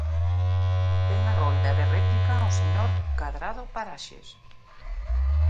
Ten a rolda de réplica o señor Cadrado Paraxes.